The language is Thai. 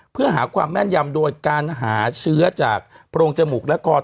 เพื่อหาความแม่นยำโดยการหาเชื้อจากโพรงจมูกและคอ